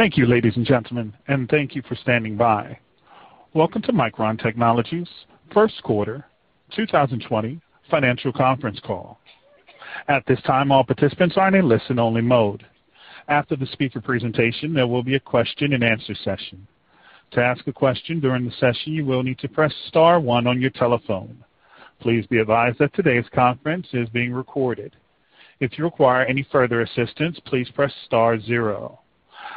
Thank you, ladies and gentlemen, and thank you for standing by. Welcome to Micron Technology's first quarter 2020 financial conference call. At this time, all participants are in a listen-only mode. After the speaker presentation, there will be a question and answer session. To ask a question during the session, you will need to press star one on your telephone. Please be advised that today's conference is being recorded. If you require any further assistance, please press star zero.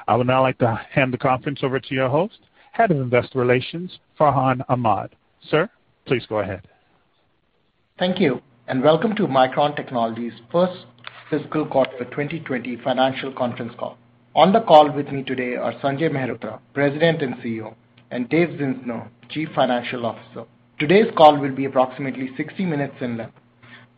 I would now like to hand the conference over to your host, Head of Investor Relations, Farhan Ahmad. Sir, please go ahead. Thank you, welcome to Micron Technology's first fiscal quarter 2020 financial conference call. On the call with me today are Sanjay Mehrotra, President and CEO, and Dave Zinsner, Chief Financial Officer. Today's call will be approximately 60 minutes in length.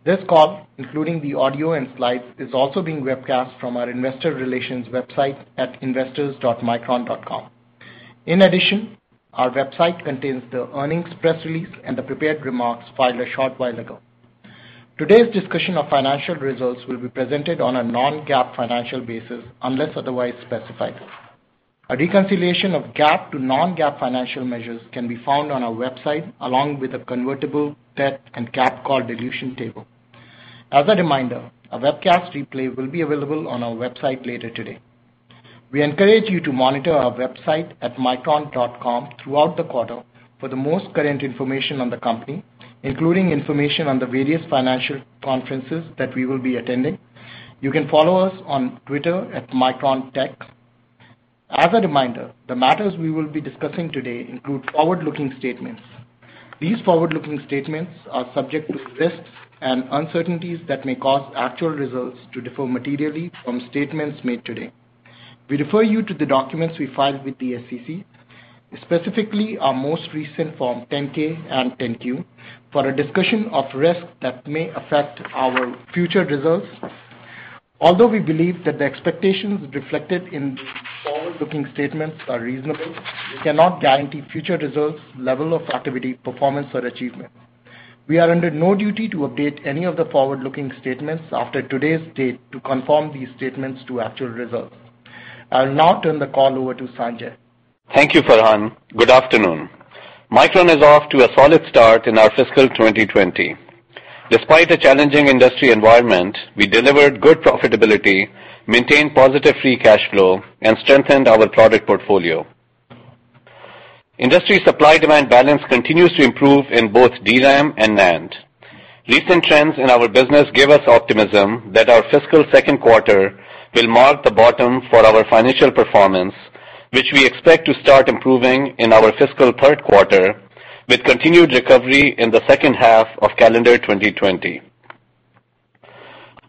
This call, including the audio and slides, is also being webcast from our investor relations website at investors.micron.com. In addition, our website contains the earnings press release and the prepared remarks filed a short while ago. Today's discussion of financial results will be presented on a non-GAAP financial basis, unless otherwise specified. A reconciliation of GAAP to non-GAAP financial measures can be found on our website, along with a convertible debt and GAAP call dilution table. As a reminder, a webcast replay will be available on our website later today. We encourage you to monitor our website at micron.com throughout the quarter for the most current information on the company, including information on the various financial conferences that we will be attending. You can follow us on Twitter @MicronTech. As a reminder, the matters we will be discussing today include forward-looking statements. These forward-looking statements are subject to risks and uncertainties that may cause actual results to differ materially from statements made today. We refer you to the documents we filed with the SEC, specifically our most recent Form 10-K and 10-Q, for a discussion of risks that may affect our future results. Although we believe that the expectations reflected in these forward-looking statements are reasonable, we cannot guarantee future results, level of activity, performance, or achievement. We are under no duty to update any of the forward-looking statements after today's date to confirm these statements to actual results. I'll now turn the call over to Sanjay. Thank you, Farhan. Good afternoon. Micron is off to a solid start in our fiscal 2020. Despite a challenging industry environment, we delivered good profitability, maintained positive free cash flow, and strengthened our product portfolio. Industry supply-demand balance continues to improve in both DRAM and NAND. Recent trends in our business give us optimism that our fiscal second quarter will mark the bottom for our financial performance, which we expect to start improving in our fiscal third quarter, with continued recovery in the second half of calendar 2020.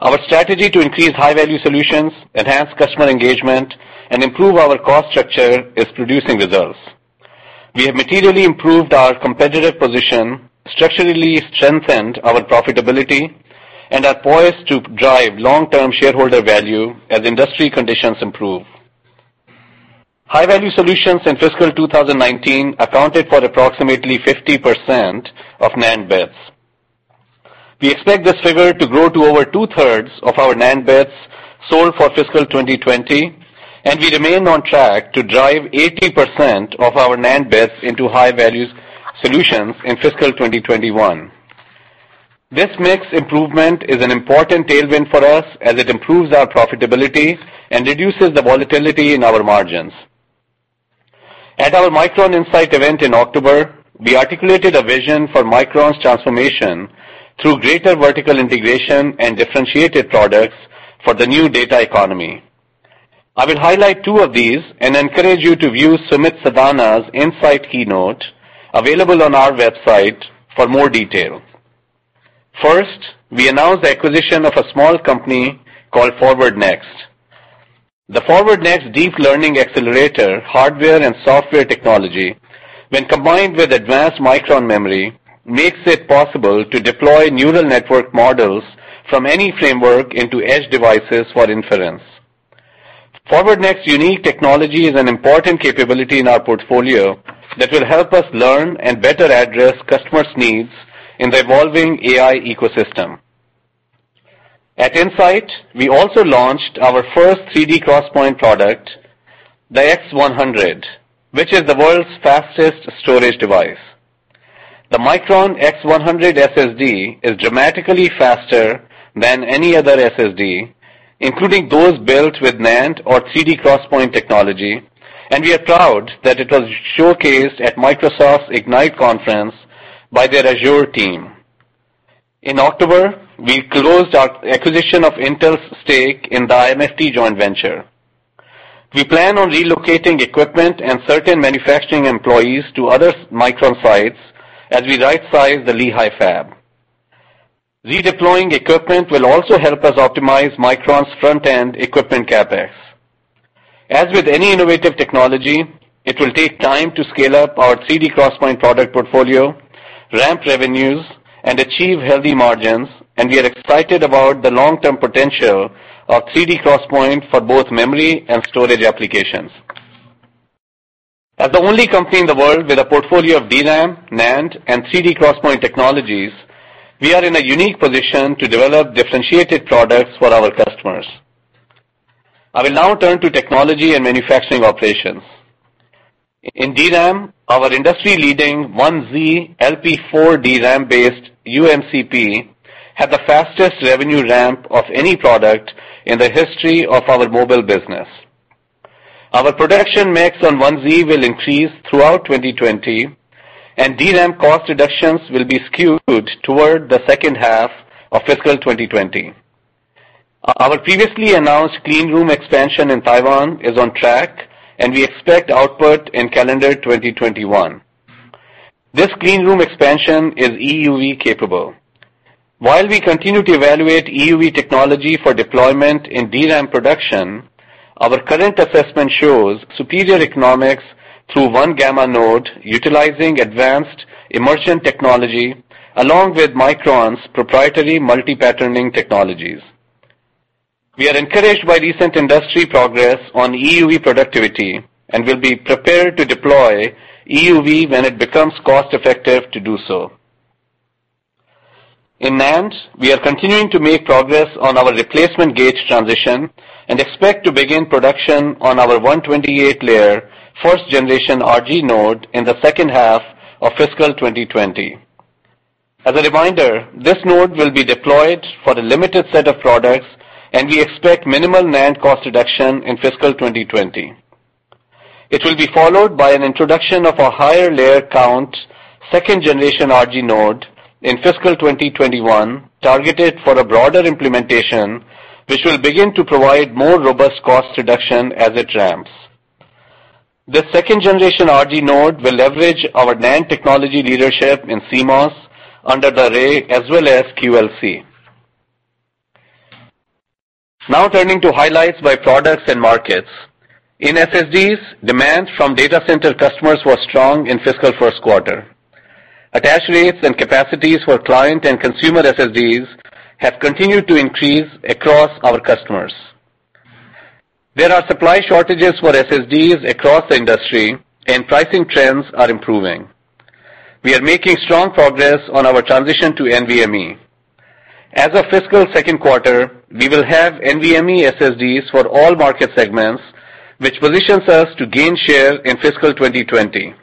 Our strategy to increase high-value solutions, enhance customer engagement, and improve our cost structure is producing results. We have materially improved our competitive position, structurally strengthened our profitability, and are poised to drive long-term shareholder value as industry conditions improve. High-value solutions in fiscal 2019 accounted for approximately 50% of NAND bits. We expect this figure to grow to over 2/3 of our NAND bits sold for fiscal 2020, and we remain on track to drive 80% of our NAND bits into high-value solutions in fiscal 2021. This mix improvement is an important tailwind for us as it improves our profitability and reduces the volatility in our margins. At our Micron Insight event in October, we articulated a vision for Micron's transformation through greater vertical integration and differentiated products for the new data economy. I will highlight two of these and encourage you to view Sumit Sadana's Insight keynote, available on our website for more detail. First, we announced the acquisition of a small company called FWDNXT. The FWDNXT deep learning accelerator hardware and software technology, when combined with advanced Micron memory, makes it possible to deploy neural network models from any framework into edge devices for inference. FWDNXT's unique technology is an important capability in our portfolio that will help us learn and better address customers' needs in the evolving AI ecosystem. At Insight, we also launched our first 3D XPoint product, the X100, which is the world's fastest storage device. The Micron X100 SSD is dramatically faster than any other SSD, including those built with NAND or 3D XPoint technology, and we are proud that it was showcased at Microsoft Ignite Conference by their Azure team. In October, we closed our acquisition of Intel's stake in the IMFT joint venture. We plan on relocating equipment and certain manufacturing employees to other Micron sites as we rightsize the Lehi fab. Redeploying equipment will also help us optimize Micron's front-end equipment CapEx. As with any innovative technology, it will take time to scale up our 3D XPoint product portfolio, ramp revenues, and achieve healthy margins. We are excited about the long-term potential of 3D XPoint for both memory and storage applications. As the only company in the world with a portfolio of DRAM, NAND, and 3D XPoint technologies, we are in a unique position to develop differentiated products for our customers. I will now turn to technology and manufacturing operations. In DRAM, our industry-leading 1z LP4 DRAM-based uMCP had the fastest revenue ramp of any product in the history of our mobile business. Our production mix on 1z will increase throughout 2020. DRAM cost reductions will be skewed toward the second half of fiscal 2020. Our previously announced clean room expansion in Taiwan is on track. We expect output in calendar 2021. This clean room expansion is EUV capable. While we continue to evaluate EUV technology for deployment in DRAM production, our current assessment shows superior economics through 1-gamma node utilizing advanced immersion technology along with Micron's proprietary multi-patterning technologies. We are encouraged by recent industry progress on EUV productivity and will be prepared to deploy EUV when it becomes cost-effective to do so. In NAND, we are continuing to make progress on our replacement gate transition and expect to begin production on our 128-layer first generation RG node in the second half of fiscal 2020. As a reminder, this node will be deployed for a limited set of products, and we expect minimal NAND cost reduction in fiscal 2020. It will be followed by an introduction of a higher layer count, second generation RG node in fiscal 2021, targeted for a broader implementation, which will begin to provide more robust cost reduction as it ramps. This second generation RG node will leverage our NAND technology leadership in CMOS under the array as well as QLC. Now turning to highlights by products and markets. In SSDs, demand from data center customers was strong in fiscal first quarter. Attach rates and capacities for client and consumer SSDs have continued to increase across our customers. There are supply shortages for SSDs across the industry, and pricing trends are improving. We are making strong progress on our transition to NVMe. As of fiscal second quarter, we will have NVMe SSDs for all market segments, which positions us to gain share in fiscal 2020.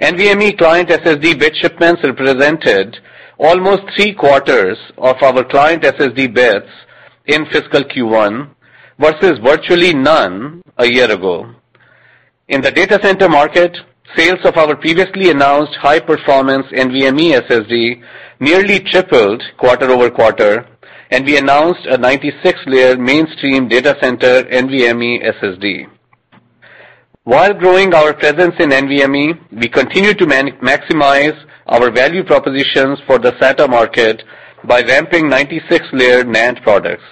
NVMe client SSD bit shipments represented almost three-quarters of our client SSD bits in fiscal Q1 versus virtually none a year ago. In the data center market, sales of our previously announced high-performance NVMe SSD nearly tripled quarter-over-quarter, and we announced a 96-layer mainstream data center NVMe SSD. While growing our presence in NVMe, we continue to maximize our value propositions for the SATA market by ramping 96-layer NAND products.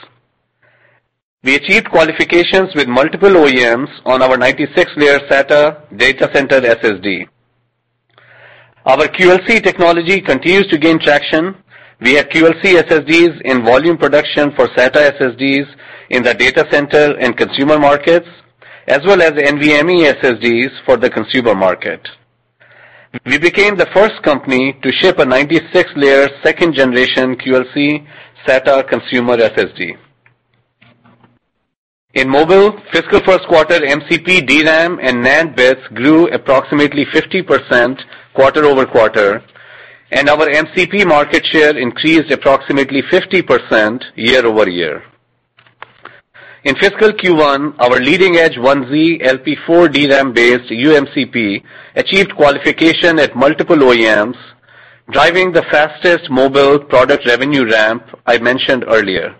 We achieved qualifications with multiple OEMs on our 96-layer SATA data center SSD. Our QLC technology continues to gain traction via QLC SSDs in volume production for SATA SSDs in the data center and consumer markets, as well as NVMe SSDs for the consumer market. We became the first company to ship a 96-layer second generation QLC SATA consumer SSD. In mobile, fiscal first quarter MCP DRAM and NAND bits grew approximately 50% quarter-over-quarter, and our MCP market share increased approximately 50% year-over-year. In fiscal Q1, our leading edge 1z LP4 DRAM based uMCP achieved qualification at multiple OEMs, driving the fastest mobile product revenue ramp I mentioned earlier.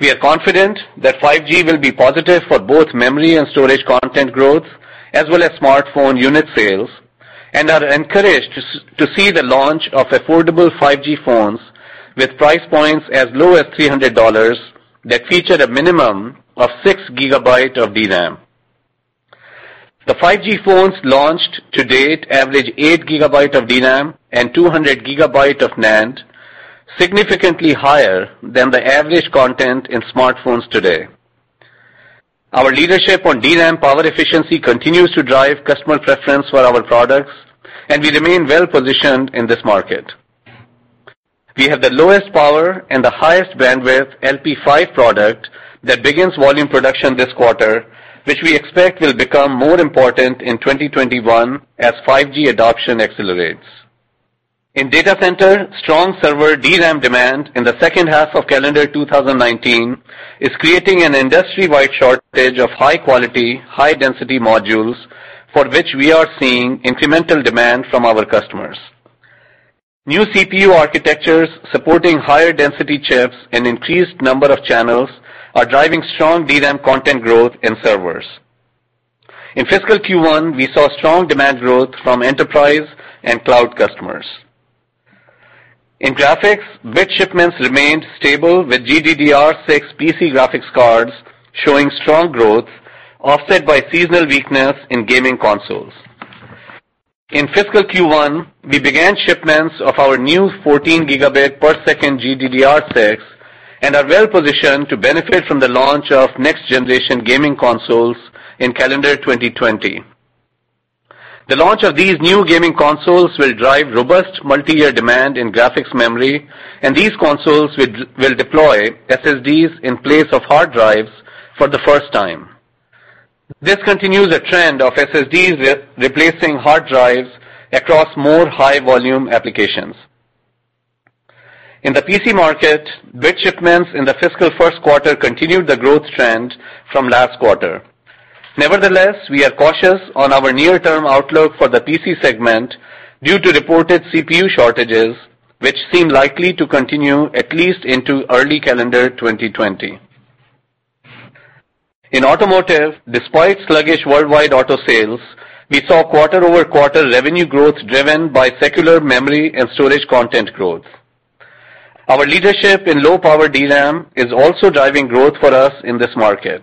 We are confident that 5G will be positive for both memory and storage content growth, as well as smartphone unit sales, and are encouraged to see the launch of affordable 5G phones with price points as low as $300 that feature a minimum of 6 GB of DRAM. The 5G phones launched to date average 8 GB of DRAM and 200 GB of NAND, significantly higher than the average content in smartphones today. Our leadership on DRAM power efficiency continues to drive customer preference for our products, and we remain well positioned in this market. We have the lowest power and the highest bandwidth LP5 product that begins volume production this quarter, which we expect will become more important in 2021 as 5G adoption accelerates. In data center, strong server DRAM demand in the second half of calendar 2019 is creating an industry-wide shortage of high quality, high density modules for which we are seeing incremental demand from our customers. New CPU architectures supporting higher density chips and increased number of channels are driving strong DRAM content growth in servers. In fiscal Q1, we saw strong demand growth from enterprise and cloud customers. In graphics, bit shipments remained stable with GDDR6 PC graphics cards showing strong growth offset by seasonal weakness in gaming consoles. In fiscal Q1, we began shipments of our new 14 Gbps GDDR6, and are well-positioned to benefit from the launch of next-generation gaming consoles in calendar 2020. The launch of these new gaming consoles will drive robust multi-year demand in graphics memory, and these consoles will deploy SSDs in place of hard drives for the first time. This continues a trend of SSDs replacing hard drives across more high-volume applications. In the PC market, bit shipments in the fiscal first quarter continued the growth trend from last quarter. Nevertheless, we are cautious on our near-term outlook for the PC segment due to reported CPU shortages, which seem likely to continue at least into early calendar 2020. In automotive, despite sluggish worldwide auto sales, we saw quarter-over-quarter revenue growth driven by secular memory and storage content growth. Our leadership in low-power DRAM is also driving growth for us in this market.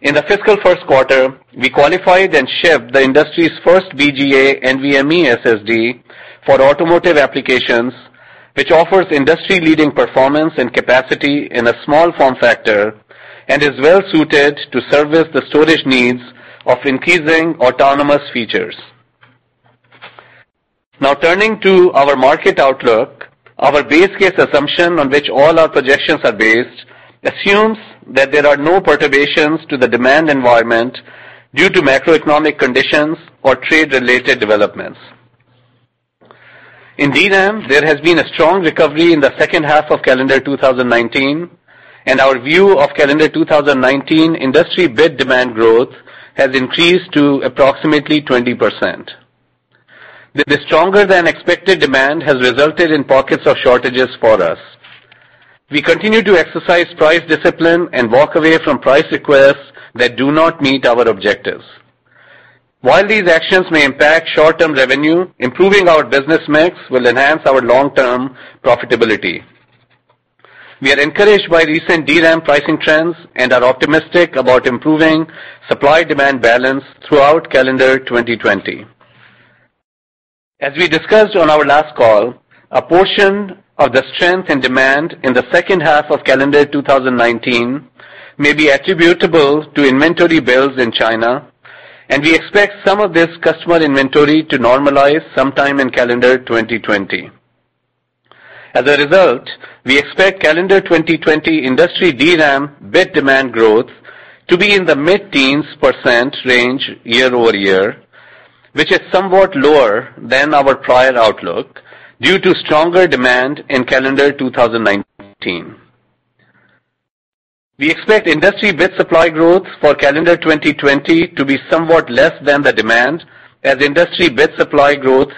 In the fiscal first quarter, we qualified and shipped the industry's first BGA NVMe SSD for automotive applications, which offers industry-leading performance and capacity in a small form factor and is well-suited to service the storage needs of increasing autonomous features. Now turning to our market outlook, our base case assumption on which all our projections are based assumes that there are no perturbations to the demand environment due to macroeconomic conditions or trade-related developments. In DRAM, there has been a strong recovery in the second half of calendar 2019, and our view of calendar 2019 industry bit demand growth has increased to approximately 20%. The stronger-than-expected demand has resulted in pockets of shortages for us. We continue to exercise price discipline and walk away from price requests that do not meet our objectives. While these actions may impact short-term revenue, improving our business mix will enhance our long-term profitability. We are encouraged by recent DRAM pricing trends and are optimistic about improving supply-demand balance throughout calendar 2020. As we discussed on our last call, a portion of the strength in demand in the second half of calendar 2019 may be attributable to inventory builds in China, and we expect some of this customer inventory to normalize sometime in calendar 2020. As a result, we expect calendar 2020 industry DRAM bit demand growth to be in the mid-teens percent range year-over-year, which is somewhat lower than our prior outlook due to stronger demand in calendar 2019. We expect industry bit supply growth for calendar 2020 to be somewhat less than the demand, as industry bit supply growth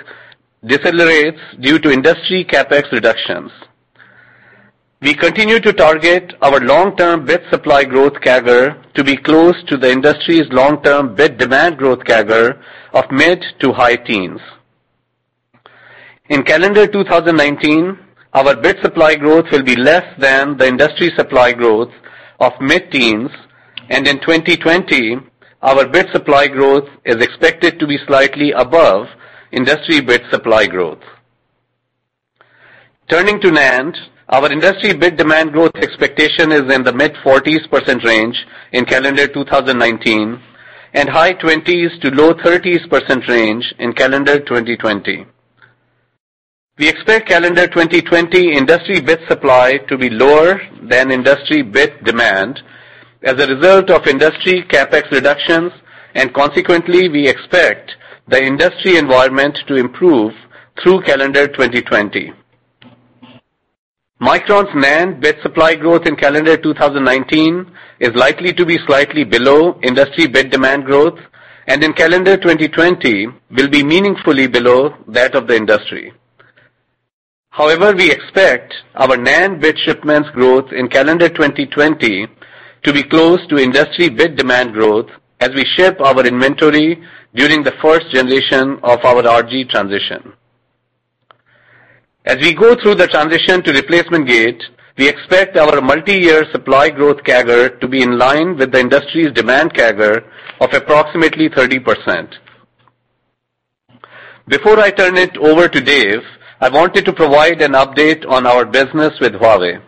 decelerates due to industry CapEx reductions. We continue to target our long-term bit supply growth CAGR to be close to the industry's long-term bit demand growth CAGR of mid to high teens. In calendar 2019, our bit supply growth will be less than the industry supply growth of mid-teens, and in 2020, our bit supply growth is expected to be slightly above industry bit supply growth. Turning to NAND, our industry bit demand growth expectation is in the mid-40s percent range in calendar 2019 and high-20s to low-30s percent range in calendar 2020. We expect calendar 2020 industry bit supply to be lower than industry bit demand as a result of industry CapEx reductions, and consequently, we expect the industry environment to improve through calendar 2020. Micron's NAND bit supply growth in calendar 2019 is likely to be slightly below industry bit demand growth, and in calendar 2020 will be meaningfully below that of the industry. However, we expect our NAND bit shipments growth in calendar 2020 to be close to industry bit demand growth as we ship our inventory during the first generation of our RG transition. As we go through the transition to replacement gate, we expect our multiyear supply growth CAGR to be in line with the industry's demand CAGR of approximately 30%. Before I turn it over to Dave, I wanted to provide an update on our business with Huawei.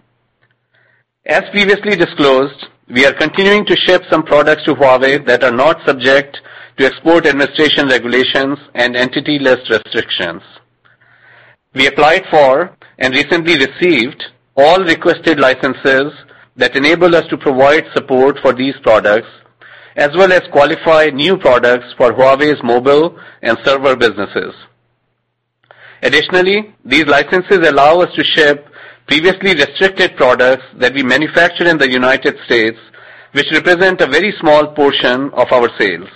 As previously disclosed, we are continuing to ship some products to Huawei that are not subject to Export Administration Regulations and Entity List restrictions. We applied for and recently received all requested licenses that enable us to provide support for these products, as well as qualify new products for Huawei's mobile and server businesses. Additionally, these licenses allow us to ship previously restricted products that we manufacture in the U.S., which represent a very small portion of our sales.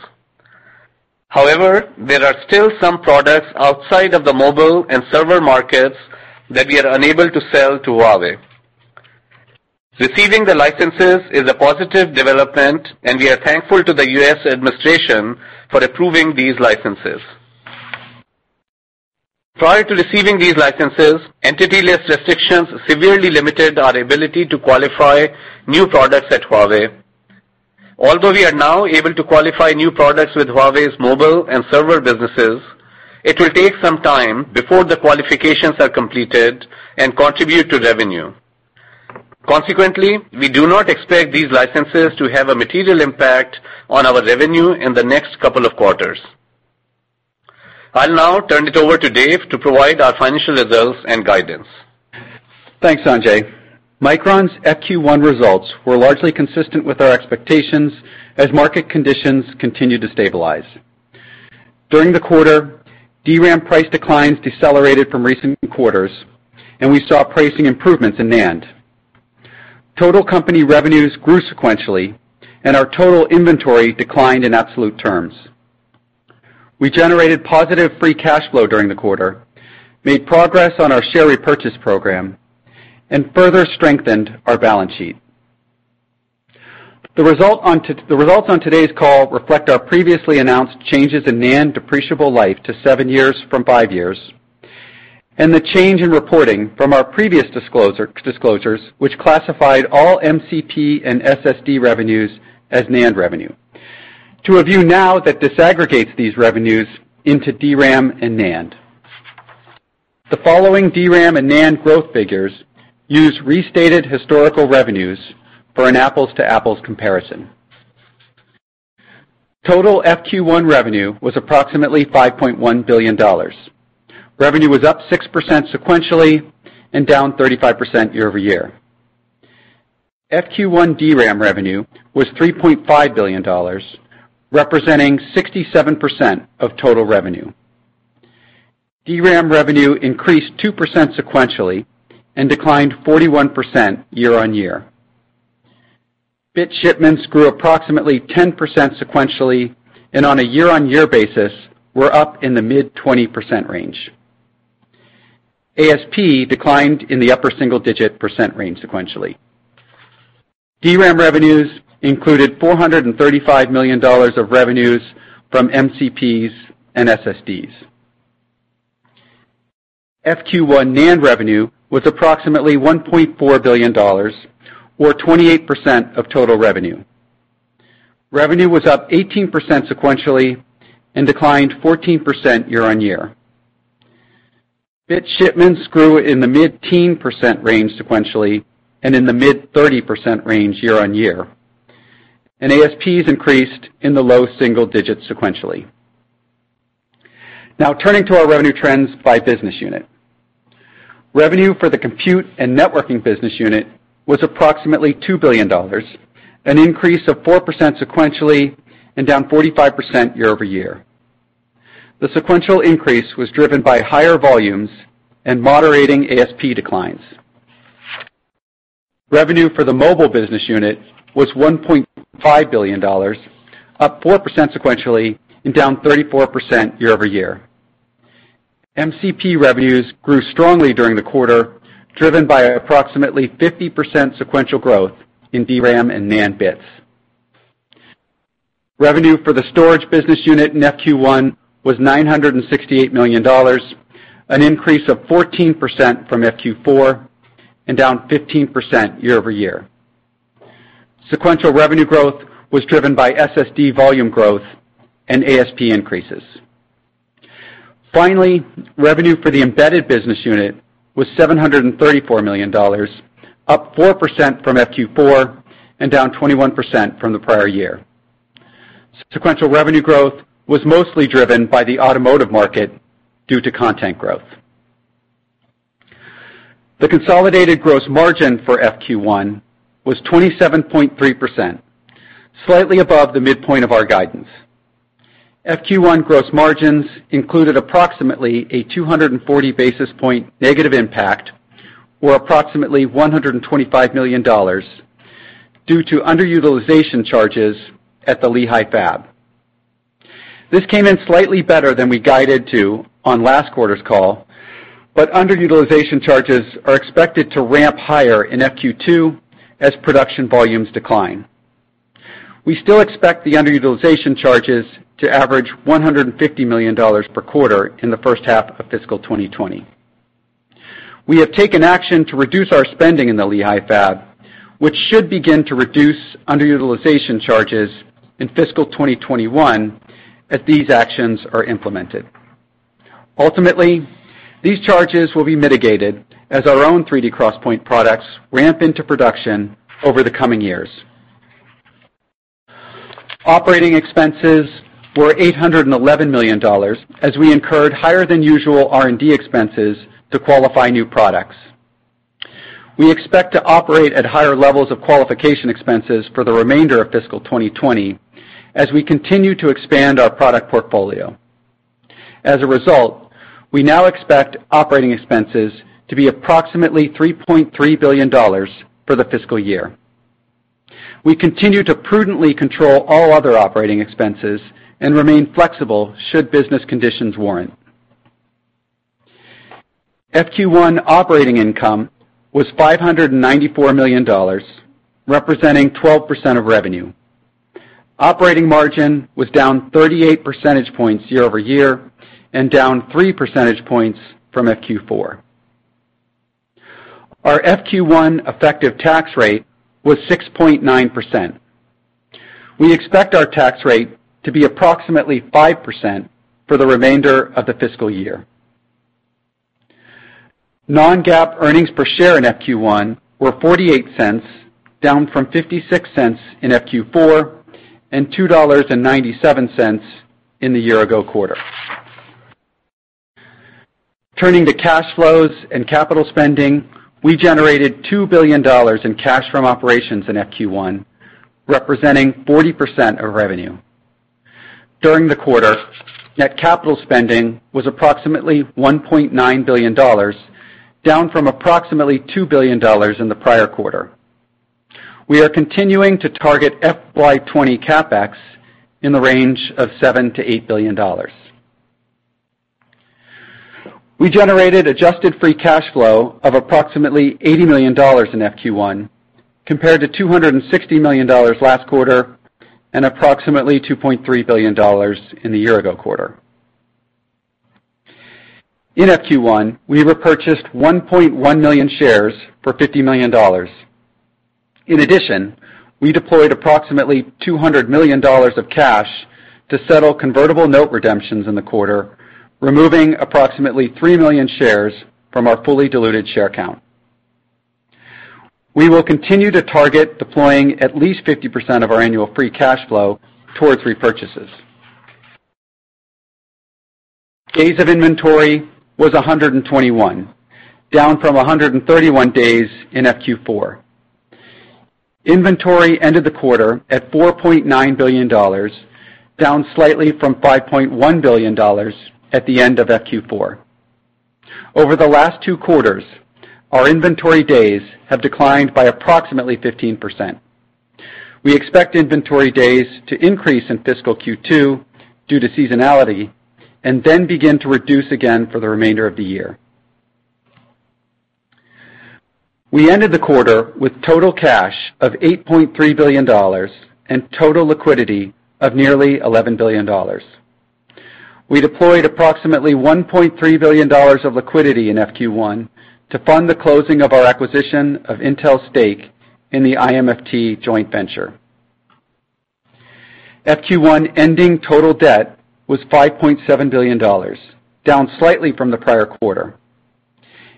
However, there are still some products outside of the mobile and server markets that we are unable to sell to Huawei. Receiving the licenses is a positive development, and we are thankful to the U.S. administration for approving these licenses. Prior to receiving these licenses, Entity List restrictions severely limited our ability to qualify new products at Huawei. Although we are now able to qualify new products with Huawei's mobile and server businesses, it will take some time before the qualifications are completed and contribute to revenue. Consequently, we do not expect these licenses to have a material impact on our revenue in the next couple of quarters. I'll now turn it over to Dave to provide our financial results and guidance. Thanks, Sanjay. Micron's FQ1 results were largely consistent with our expectations as market conditions continue to stabilize. During the quarter, DRAM price declines decelerated from recent quarters, and we saw pricing improvements in NAND. Total company revenues grew sequentially, and our total inventory declined in absolute terms. We generated positive free cash flow during the quarter, made progress on our share repurchase program, and further strengthened our balance sheet. The results on today's call reflect our previously announced changes in NAND depreciable life to seven years from five years, and the change in reporting from our previous disclosures, which classified all MCP and SSD revenues as NAND revenue. To review, now that disaggregates these revenues into DRAM and NAND. The following DRAM and NAND growth figures use restated historical revenues for an apples-to-apples comparison. Total FQ1 revenue was approximately $5.1 billion. Revenue was up 6% sequentially and down 35% year-over-year. FQ1 DRAM revenue was $3.5 billion, representing 67% of total revenue. DRAM revenue increased 2% sequentially and declined 41% year-on-year. Bit shipments grew approximately 10% sequentially, and on a year-on-year basis, were up in the mid-20% range. ASP declined in the upper single-digit percent range sequentially. DRAM revenues included $435 million of revenues from MCPs and SSDs. FQ1 NAND revenue was approximately $1.4 billion, or 28% of total revenue. Revenue was up 18% sequentially and declined 14% year-on-year. Bit shipments grew in the mid-teen percent range sequentially and in the mid-30% range year-on-year, and ASPs increased in the low single digits sequentially. Turning to our revenue trends by business unit. Revenue for the Compute and Networking Business Unit was approximately $2 billion, an increase of 4% sequentially and down 45% year-over-year. The sequential increase was driven by higher volumes and moderating ASP declines. Revenue for the Mobile Business Unit was $1.5 billion, up 4% sequentially and down 34% year-over-year. MCP revenues grew strongly during the quarter, driven by approximately 50% sequential growth in DRAM and NAND bits. Revenue for the Storage Business Unit in FQ1 was $968 million, an increase of 14% from FQ4 and down 15% year-over-year. Sequential revenue growth was driven by SSD volume growth and ASP increases. Finally, revenue for the Embedded Business Unit was $734 million, up 4% from FQ4 and down 21% from the prior year. Sequential revenue growth was mostly driven by the automotive market due to content growth. The consolidated gross margin for FQ1 was 27.3%, slightly above the midpoint of our guidance. FQ1 gross margins included approximately a 240 basis point negative impact, or approximately $125 million, due to underutilization charges at the Lehi fab. This came in slightly better than we guided to on last quarter's call, but underutilization charges are expected to ramp higher in FQ2 as production volumes decline. We still expect the underutilization charges to average $150 million per quarter in the first half of fiscal 2020. We have taken action to reduce our spending in the Lehi fab, which should begin to reduce underutilization charges in fiscal 2021 as these actions are implemented. Ultimately, these charges will be mitigated as our own 3D XPoint products ramp into production over the coming years. Operating expenses were $811 million as we incurred higher-than-usual R&D expenses to qualify new products. We expect to operate at higher levels of qualification expenses for the remainder of fiscal 2020 as we continue to expand our product portfolio. As a result, we now expect operating expenses to be approximately $3.3 billion for the fiscal year. We continue to prudently control all other operating expenses and remain flexible should business conditions warrant. FQ1 operating income was $594 million, representing 12% of revenue. Operating margin was down 38 percentage points year-over-year, and down 3 percentage points from FQ4. Our FQ1 effective tax rate was 6.9%. We expect our tax rate to be approximately 5% for the remainder of the fiscal year. Non-GAAP earnings per share in FQ1 were $0.48, down from $0.56 in FQ4, and $2.97 in the year ago quarter. Turning to cash flows and capital spending, we generated $2 billion in cash from operations in FQ1, representing 40% of revenue. During the quarter, net capital spending was approximately $1.9 billion, down from approximately $2 billion in the prior quarter. We are continuing to target FY 2020 CapEx in the range of $7 billion-$8 billion. We generated adjusted free cash flow of approximately $80 million in FQ1, compared to $260 million last quarter, and approximately $2.3 billion in the year ago quarter. In FQ1, we repurchased 1.1 million shares for $50 million. In addition, we deployed approximately $200 million of cash to settle convertible note redemptions in the quarter, removing approximately 3 million shares from our fully diluted share count. We will continue to target deploying at least 50% of our annual free cash flow towards repurchases. Days of inventory was 121, down from 131 days in FQ4. Inventory ended the quarter at $4.9 billion, down slightly from $5.1 billion at the end of FQ4. Over the last two quarters, our inventory days have declined by approximately 15%. We expect inventory days to increase in fiscal Q2 due to seasonality, and then begin to reduce again for the remainder of the year. We ended the quarter with total cash of $8.3 billion and total liquidity of nearly $11 billion. We deployed approximately $1.3 billion of liquidity in FQ1 to fund the closing of our acquisition of Intel's stake in the IMFT joint venture. FQ1 ending total debt was $5.7 billion, down slightly from the prior quarter.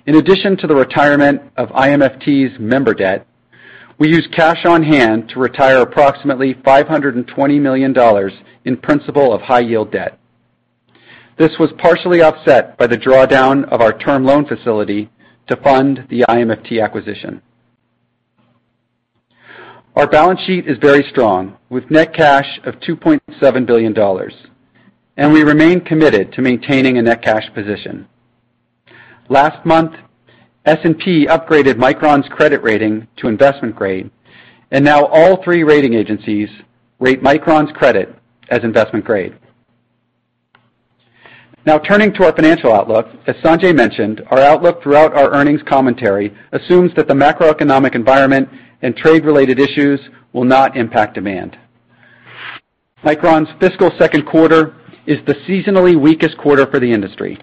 In addition to the retirement of IMFT's member debt, we used cash on hand to retire approximately $520 million in principal of high-yield debt. This was partially offset by the drawdown of our term loan facility to fund the IMFT acquisition. Our balance sheet is very strong, with net cash of $2.7 billion, and we remain committed to maintaining a net cash position. Last month, S&P upgraded Micron's credit rating to investment grade, and now all three rating agencies rate Micron's credit as investment grade. Turning to our financial outlook. As Sanjay mentioned, our outlook throughout our earnings commentary assumes that the macroeconomic environment and trade-related issues will not impact demand. Micron's fiscal second quarter is the seasonally weakest quarter for the industry.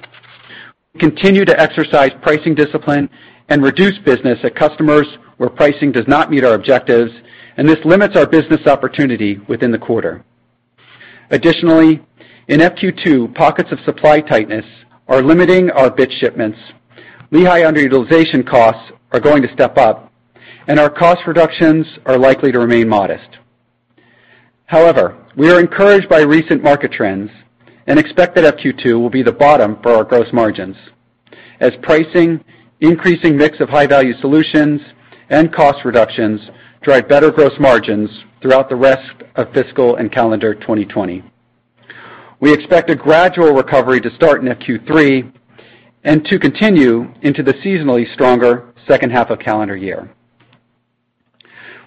We continue to exercise pricing discipline and reduce business at customers where pricing does not meet our objectives, and this limits our business opportunity within the quarter. Additionally, in FQ2, pockets of supply tightness are limiting our bit shipments, Lehi underutilization costs are going to step up, and our cost reductions are likely to remain modest. However, we are encouraged by recent market trends and expect that FQ2 will be the bottom for our gross margins as pricing, increasing mix of high-value solutions, and cost reductions drive better gross margins throughout the rest of fiscal and calendar 2020. We expect a gradual recovery to start in FQ3 and to continue into the seasonally stronger second half of calendar year.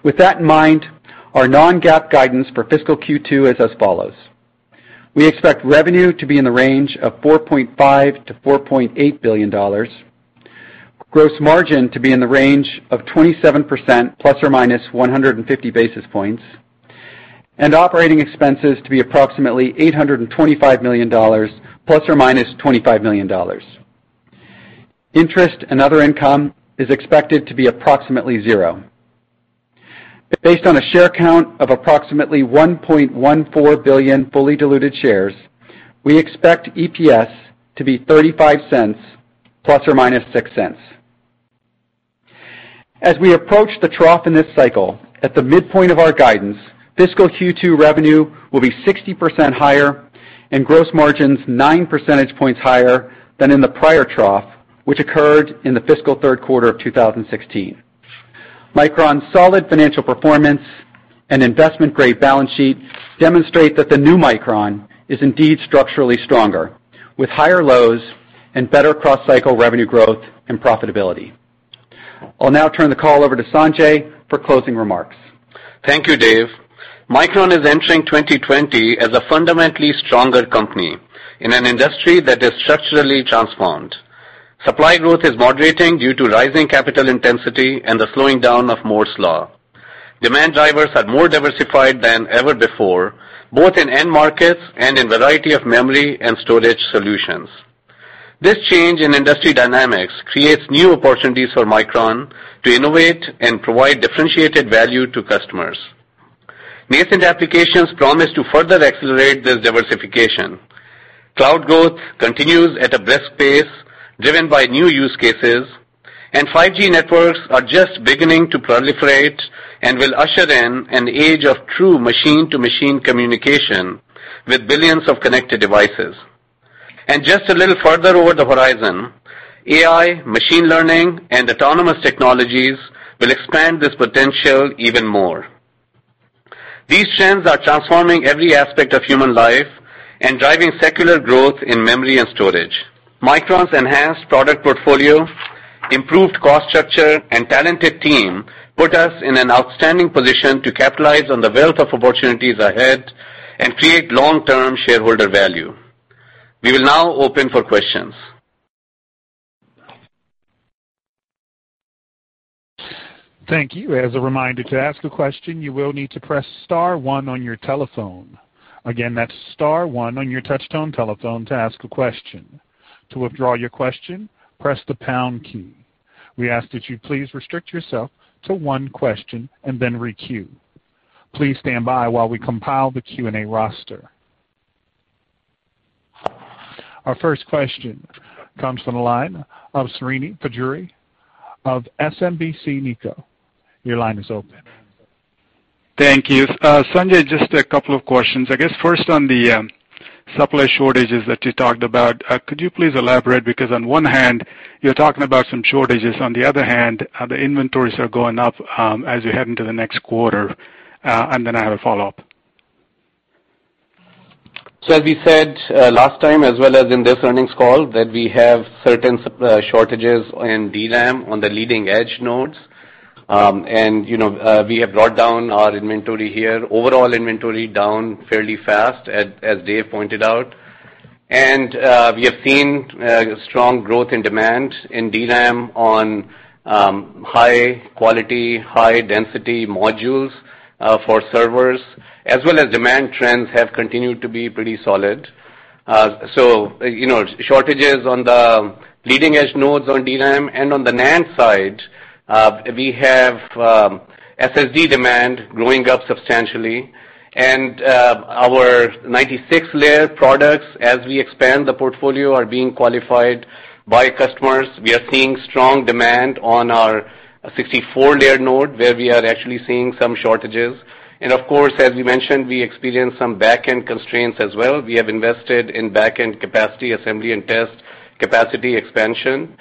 With that in mind, our non-GAAP guidance for fiscal Q2 is as follows. We expect revenue to be in the range of $4.5 billion-$4.8 billion, gross margin to be in the range of 27% ±150 basis points, and operating expenses to be approximately $825 million ±$25 million. Interest and other income is expected to be approximately zero. Based on a share count of approximately 1.14 billion fully diluted shares, we expect EPS to be $0.35, ±$0.06. As we approach the trough in this cycle, at the midpoint of our guidance, fiscal Q2 revenue will be 60% higher, and gross margins nine percentage points higher than in the prior trough, which occurred in the fiscal third quarter of 2016. Micron's solid financial performance and investment-grade balance sheet demonstrate that the new Micron is indeed structurally stronger, with higher lows and better cross-cycle revenue growth and profitability. I'll now turn the call over to Sanjay for closing remarks. Thank you, Dave. Micron is entering 2020 as a fundamentally stronger company in an industry that is structurally transformed. Supply growth is moderating due to rising capital intensity and the slowing down of Moore's law. Demand drivers are more diversified than ever before, both in end markets and in variety of memory and storage solutions. This change in industry dynamics creates new opportunities for Micron to innovate and provide differentiated value to customers. Nascent applications promise to further accelerate this diversification. Cloud growth continues at a brisk pace, driven by new use cases, and 5G networks are just beginning to proliferate and will usher in an age of true machine-to-machine communication with billions of connected devices. Just a little further over the horizon, AI, machine learning, and autonomous technologies will expand this potential even more. These trends are transforming every aspect of human life and driving secular growth in memory and storage. Micron's enhanced product portfolio, improved cost structure, and talented team put us in an outstanding position to capitalize on the wealth of opportunities ahead and create long-term shareholder value. We will now open for questions. Thank you. As a reminder, to ask a question, you will need to press star one on your telephone. Again, that's star one on your touch-tone telephone to ask a question. To withdraw your question, press the pound key. We ask that you please restrict yourself to one question and then re-queue. Please stand by while we compile the Q&A roster. Our first question comes from the line of Srini Pajjuri of SMBC Nikko. Your line is open. Thank you. Sanjay, just a couple of questions. I guess first on the supply shortages that you talked about, could you please elaborate? Because on one hand, you're talking about some shortages, on the other hand, the inventories are going up, as you head into the next quarter. Then I have a follow-up. As we said last time, as well as in this earnings call, that we have certain supply shortages in DRAM on the leading edge nodes. We have brought down our inventory here, overall inventory down fairly fast, as Dave pointed out. We have seen strong growth in demand in DRAM on high quality, high density modules for servers, as well as demand trends have continued to be pretty solid. Shortages on the leading-edge nodes on DRAM and on the NAND side, we have SSD demand growing up substantially. Our 96-layer products, as we expand the portfolio, are being qualified by customers. We are seeing strong demand on our 64-layer node, where we are actually seeing some shortages. Of course, as we mentioned, we experience some back-end constraints as well. We have invested in back-end capacity, assembly and test capacity expansion, and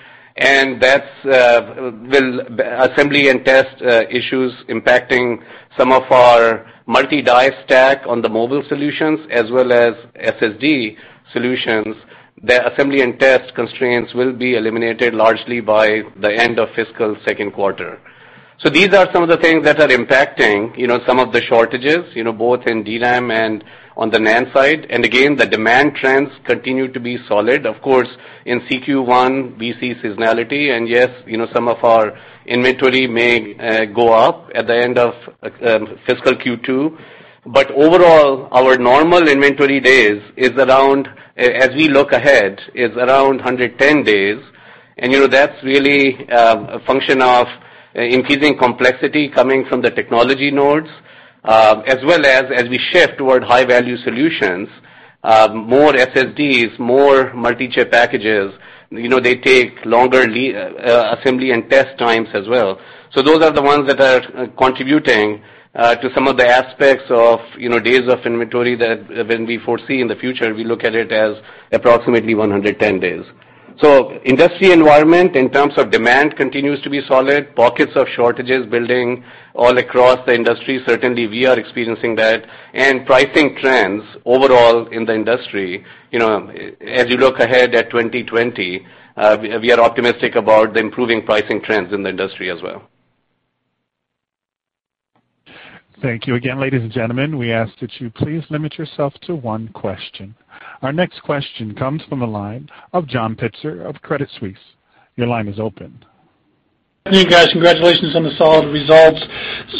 assembly and test issues impacting some of our multi-die stack on the mobile solutions as well as SSD solutions. The assembly and test constraints will be eliminated largely by the end of fiscal second quarter. These are some of the things that are impacting some of the shortages, both in DRAM and on the NAND side. Again, the demand trends continue to be solid. Of course, in CQ1, we see seasonality. Yes, some of our inventory may go up at the end of fiscal Q2. Overall, our normal inventory days, as we look ahead, is around 110 days. That's really a function of increasing complexity coming from the technology nodes, as well as we shift toward high-value solutions, more SSDs, more multi-chip packages, they take longer assembly and test times as well. Those are the ones that are contributing to some of the aspects of days of inventory that when we foresee in the future, we look at it as approximately 110 days. Industry environment in terms of demand continues to be solid. Pockets of shortages building all across the industry. Certainly, we are experiencing that. Pricing trends overall in the industry, as you look ahead at 2020, we are optimistic about the improving pricing trends in the industry as well. Thank you again, ladies and gentlemen. We ask that you please limit yourself to one question. Our next question comes from the line of John Pitzer of Credit Suisse. Your line is open. Hey guys, congratulations on the solid results.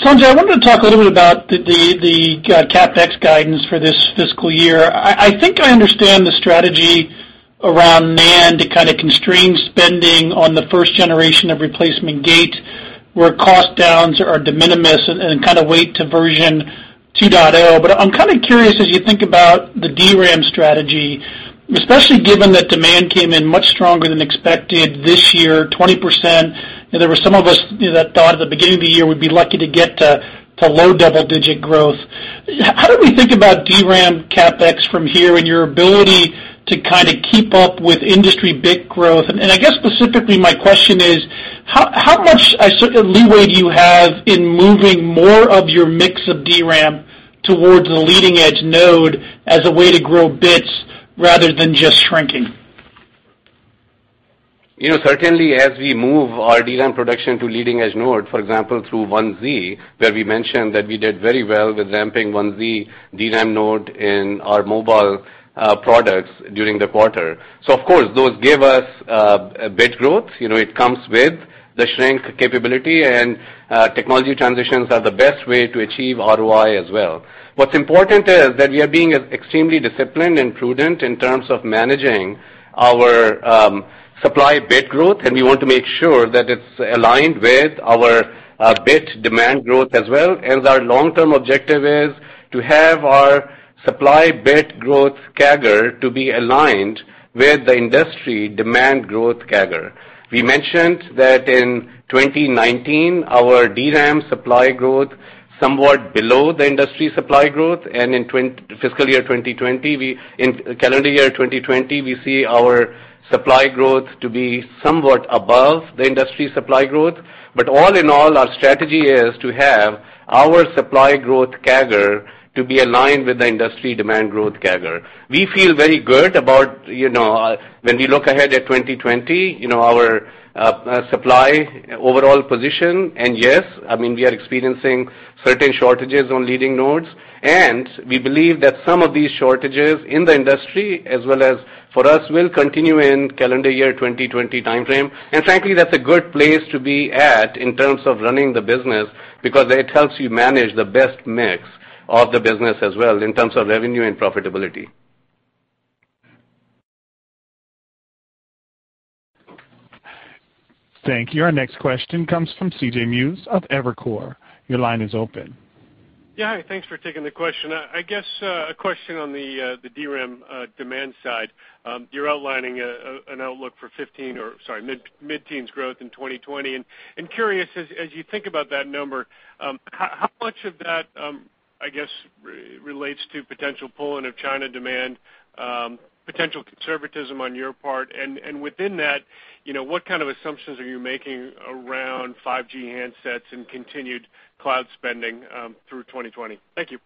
Sanjay, I wanted to talk a little bit about the CapEx guidance for this fiscal year. I think I understand the strategy around NAND to kind of constrain spending on the first generation of replacement gate, where cost downs are de minimis and kind of wait to version 2.0. I'm kind of curious, as you think about the DRAM strategy, especially given that demand came in much stronger than expected this year, 20%, and there were some of us that thought at the beginning of the year we'd be lucky to get to low double-digit growth. How do we think about DRAM CapEx from here and your ability to kind of keep up with industry bit growth? I guess specifically my question is, how much leeway do you have in moving more of your mix of DRAM towards a leading-edge node as a way to grow bits rather than just shrinking? Certainly as we move our DRAM production to leading-edge node, for example, through 1z, where we mentioned that we did very well with ramping 1z DRAM node in our mobile products during the quarter. Of course, those give us bit growth. It comes with the shrink capability, and technology transitions are the best way to achieve ROI as well. What's important is that we are being extremely disciplined and prudent in terms of managing our supply bit growth, and we want to make sure that it's aligned with our bit demand growth as well, as our long-term objective is to have our supply bit growth CAGR to be aligned with the industry demand growth CAGR. We mentioned that in 2019, our DRAM supply growth somewhat below the industry supply growth, and in calendar year 2020, we see our supply growth to be somewhat above the industry supply growth. All in all, our strategy is to have our supply growth CAGR to be aligned with the industry demand growth CAGR. We feel very good about when we look ahead at 2020, our supply overall position, and yes, we are experiencing certain shortages on leading nodes, and we believe that some of these shortages in the industry as well as for us will continue in calendar year 2020 timeframe. Frankly, that's a good place to be at in terms of running the business because it helps you manage the best mix of the business as well in terms of revenue and profitability. Thank you. Our next question comes from C.J. Muse of Evercore. Your line is open. Yeah. Hi, thanks for taking the question. I guess a question on the DRAM demand side. You're outlining an outlook for mid-teens growth in 2020. Curious, as you think about that number, how much of that, I guess, relates to potential pull-in of China demand, potential conservatism on your part? Within that, what kind of assumptions are you making around 5G handsets and continued cloud spending through 2020? Thank you.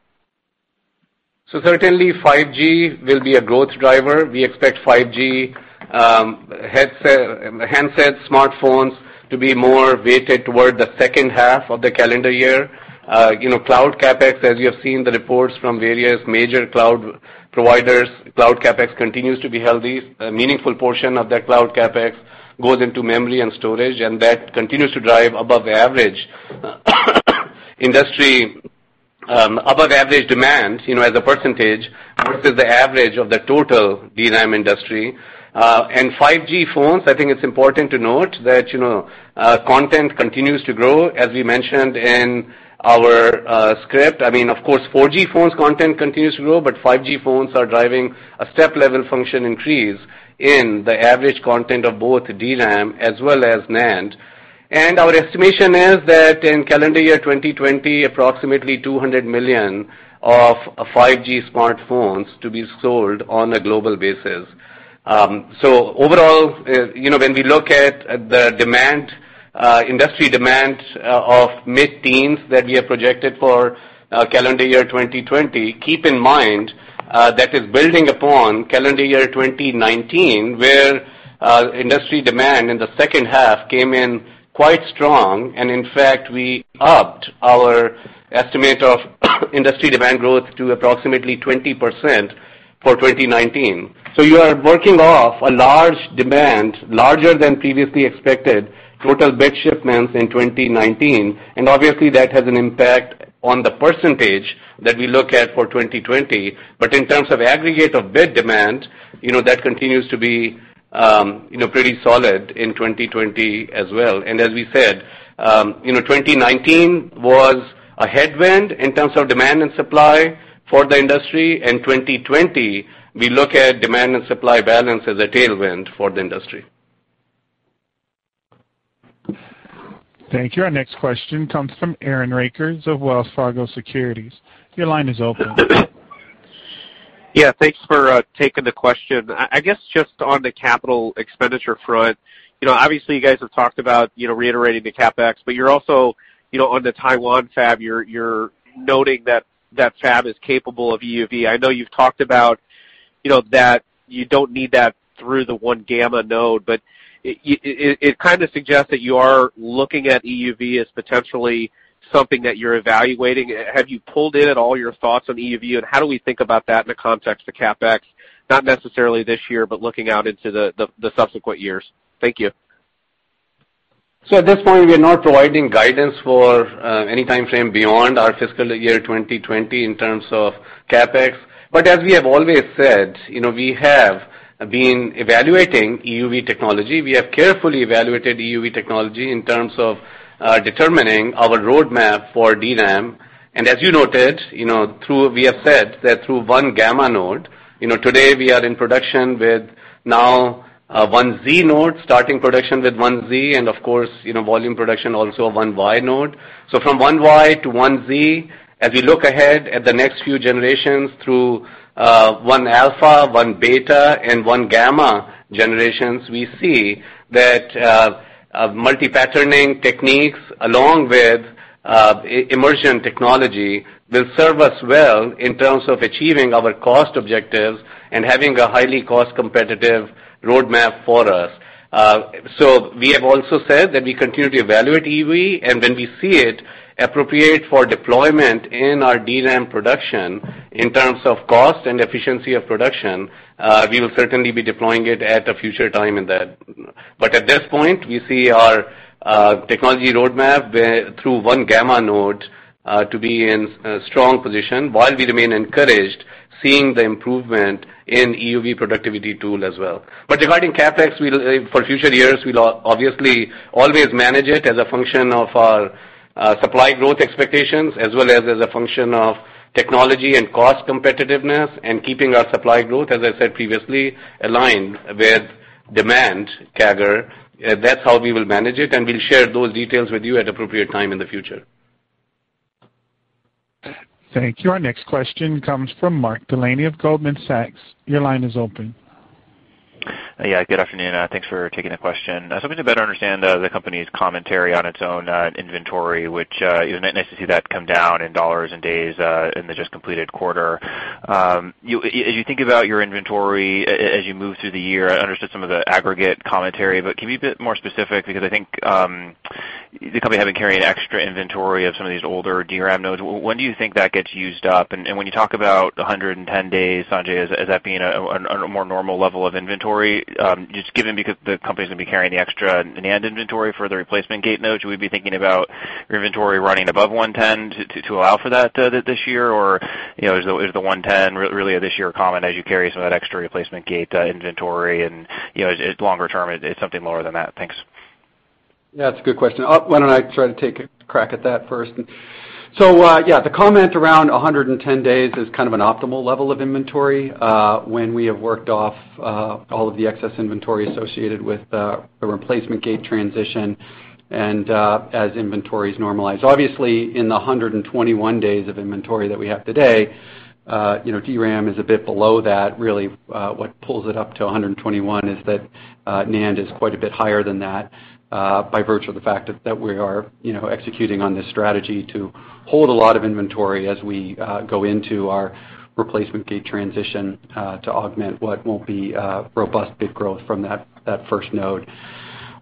Certainly, 5G will be a growth driver. We expect 5G handsets, smartphones to be more weighted toward the second half of the calendar year. Cloud CapEx, as you have seen the reports from various major cloud providers, Cloud CapEx continues to be healthy. A meaningful portion of that cloud CapEx goes into memory and storage, and that continues to drive above average demand as a percentage versus the average of the total DRAM industry. 5G phones, I think it's important to note that content continues to grow, as we mentioned in our script. Of course, 4G phones content continues to grow, but 5G phones are driving a step-level function increase in the average content of both DRAM as well as NAND. Our estimation is that in calendar year 2020, approximately 200 million of 5G smartphones to be sold on a global basis. Overall, when we look at the industry demand of mid-teens that we have projected for calendar year 2020, keep in mind that is building upon calendar year 2019, where industry demand in the second half came in quite strong, and in fact, we upped our estimate of industry demand growth to approximately 20% for 2019. You are working off a large demand, larger than previously expected, total bit shipments in 2019, and obviously that has an impact on the percentage that we look at for 2020. In terms of aggregate of bit demand, that continues to be pretty solid in 2020 as well. As we said, 2019 was a headwind in terms of demand and supply for the industry. In 2020, we look at demand and supply balance as a tailwind for the industry. Thank you. Our next question comes from Aaron Rakers of Wells Fargo Securities. Your line is open. Yeah, thanks for taking the question. I guess just on the capital expenditure front, obviously you guys have talked about reiterating the CapEx, but you're also, on the Taiwan fab, you're noting that that fab is capable of EUV. I know you've talked about that you don't need that through the 1-gamma node, but it kind of suggests that you are looking at EUV as potentially something that you're evaluating. Have you pulled in at all your thoughts on EUV, and how do we think about that in the context of CapEx, not necessarily this year, but looking out into the subsequent years? Thank you. At this point, we are not providing guidance for any timeframe beyond our fiscal year 2020 in terms of CapEx. As we have always said, we have been evaluating EUV technology. We have carefully evaluated EUV technology in terms of determining our roadmap for DRAM. As you noted, we have said that through 1-gamma node, today we are in production with now 1z node, starting production with 1z, and of course, volume production also of 1y node. From 1y to 1z, as we look ahead at the next few generations through 1-alpha, 1-beta, and 1-gamma generations, we see multi-patterning techniques, along with immersion technology, will serve us well in terms of achieving our cost objectives and having a highly cost-competitive roadmap for us. We have also said that we continue to evaluate EUV, and when we see it appropriate for deployment in our DRAM production, in terms of cost and efficiency of production, we will certainly be deploying it at a future time in that. At this point, we see our technology roadmap through 1-gamma node to be in a strong position while we remain encouraged seeing the improvement in EUV productivity tool as well. Regarding CapEx, for future years, we'll obviously always manage it as a function of our supply growth expectations as well as a function of technology and cost competitiveness and keeping our supply growth, as I said previously, aligned with demand CAGR. That's how we will manage it, and we'll share those details with you at an appropriate time in the future. Thank you. Our next question comes from Mark Delaney of Goldman Sachs. Your line is open. Good afternoon. Thanks for taking the question. Something to better understand the company's commentary on its own inventory, which it was nice to see that come down in dollars and days in the just completed quarter. As you think about your inventory, as you move through the year, I understood some of the aggregate commentary, but can you be a bit more specific? I think, the company having carrying extra inventory of some of these older DRAM nodes, when do you think that gets used up? When you talk about 110 days, Sanjay, is that being a more normal level of inventory? Just given because the company's going to be carrying the extra NAND inventory for the replacement gate nodes. Should we be thinking about your inventory running above 110 to allow for that this year? Is the 110 really a this year comment as you carry some of that extra replacement gate inventory and longer term, it's something lower than that? Thanks. Yeah, it's a good question. Why don't I try to take a crack at that first? Yeah, the comment around 110 days is kind of an optimal level of inventory. When we have worked off all of the excess inventory associated with the replacement gate transition and as inventory is normalized. Obviously, in the 121 days of inventory that we have today, DRAM is a bit below that. Really, what pulls it up to 121 is that NAND is quite a bit higher than that, by virtue of the fact that we are executing on this strategy to hold a lot of inventory as we go into our replacement gate transition, to augment what won't be a robust bit growth from that first node.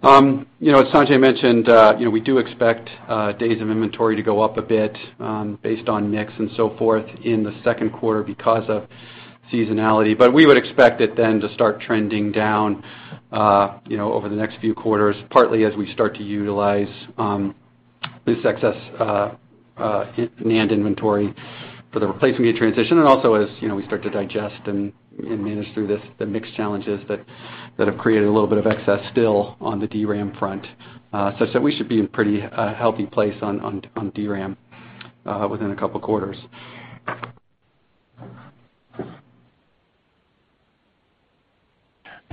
As Sanjay mentioned, we do expect days of inventory to go up a bit, based on mix and so forth, in the second quarter because of seasonality. We would expect it then to start trending down over the next few quarters, partly as we start to utilize this excess NAND inventory for the replacement transition, and also as we start to digest and manage through the mixed challenges that have created a little bit of excess still on the DRAM front. Such that we should be in a pretty healthy place on DRAM within a couple of quarters.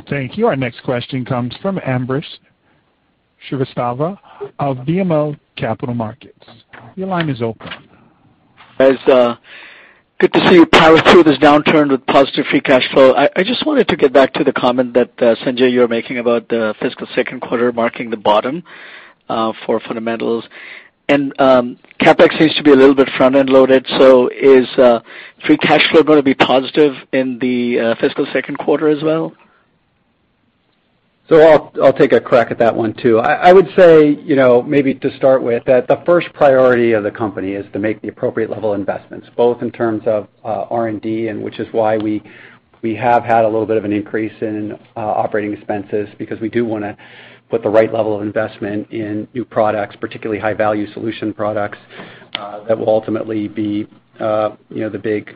Thank you. Our next question comes from Ambrish Srivastava of BMO Capital Markets. Your line is open. Guys, good to see you power through this downturn with positive free cash flow. I just wanted to get back to the comment that, Sanjay, you were making about the fiscal second quarter marking the bottom for fundamentals. CapEx seems to be a little bit front-end loaded. Is free cash flow going to be positive in the fiscal second quarter as well? I'll take a crack at that one, too. I would say, maybe to start with, that the first priority of the company is to make the appropriate level investments, both in terms of R&D, which is why we have had a little bit of an increase in operating expenses, because we do want to put the right level of investment in new products, particularly high-value solution products, that will ultimately be the big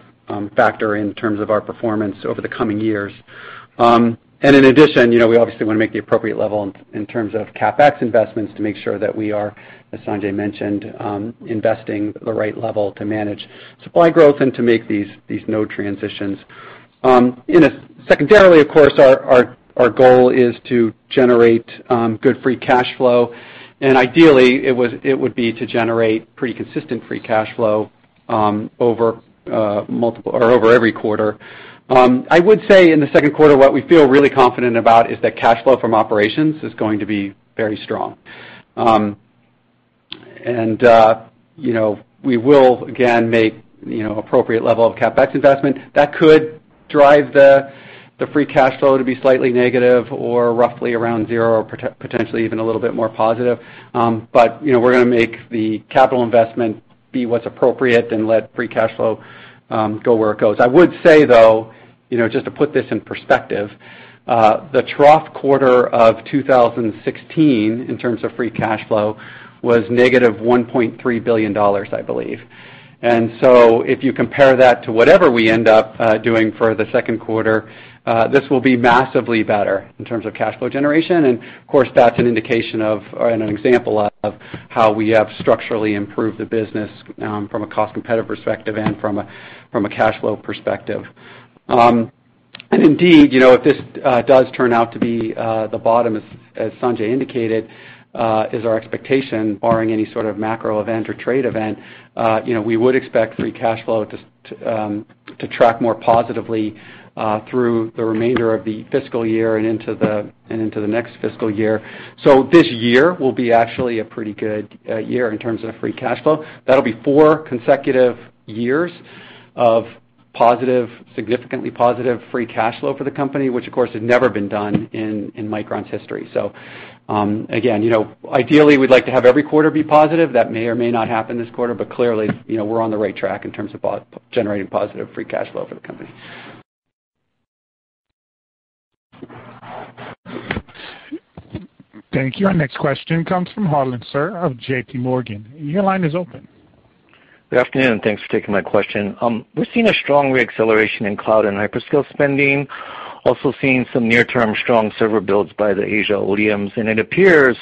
factor in terms of our performance over the coming years. In addition, we obviously want to make the appropriate level in terms of CapEx investments to make sure that we are, as Sanjay mentioned, investing the right level to manage supply growth and to make these node transitions. Secondarily, of course, our goal is to generate good free cash flow, and ideally, it would be to generate pretty consistent free cash flow over every quarter. I would say in the second quarter, what we feel really confident about is that cash flow from operations is going to be very strong. We will again make appropriate level of CapEx investment. That could drive the free cash flow to be slightly negative or roughly around zero or potentially even a little bit more positive. We're going to make the capital investment be what's appropriate and let free cash flow go where it goes. I would say, though, just to put this in perspective, the trough quarter of 2016, in terms of free cash flow, was -$1.3 billion, I believe. If you compare that to whatever we end up doing for the second quarter, this will be massively better in terms of cash flow generation. Of course, that's an indication of and an example of how we have structurally improved the business from a cost-competitive perspective and from a cash flow perspective. Indeed, if this does turn out to be the bottom, as Sanjay indicated, is our expectation, barring any sort of macro event or trade event, we would expect free cash flow to track more positively through the remainder of the fiscal year and into the next fiscal year. So this year will be actually a pretty good year in terms of free cash flow. That'll be four consecutive years of significantly positive free cash flow for the company, which, of course, has never been done in Micron's history. Again, ideally, we'd like to have every quarter be positive. That may or may not happen this quarter, but clearly, we're on the right track in terms of generating positive free cash flow for the company. Thank you. Our next question comes from Harlan Sur of JPMorgan. Your line is open. Good afternoon. Thanks for taking my question. We're seeing a strong re-acceleration in cloud and hyperscale spending, also seeing some near-term strong server builds by the Asia ODMs, and it appears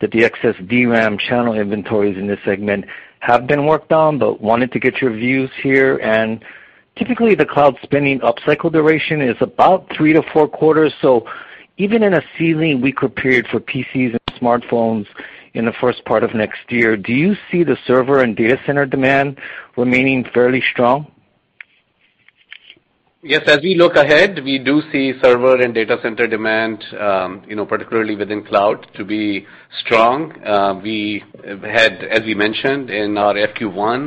that the excess DRAM channel inventories in this segment have been worked on, but wanted to get your views here. Typically, the cloud spending upcycle duration is about three to four quarters. Even in a ceiling weaker period for PCs and smartphones in the first part of next year, do you see the server and data center demand remaining fairly strong? Yes. As we look ahead, we do see server and data center demand, particularly within cloud, to be strong. We had, as we mentioned in our FQ1,